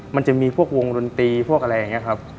มันจะมีพวกวงดนตรีพวกอะไรอย่างนี้ครับ